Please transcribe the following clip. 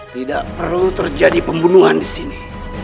tidak perlu terjadi pembunuhan di sini